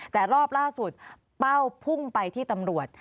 แต่รอบล่าสุดเป้าพุ่งไปที่ตำรวจ